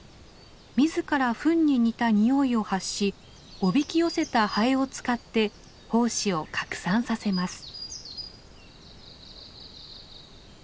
自らフンに似た臭いを発しおびき寄せたハエを使って胞子を拡散させます。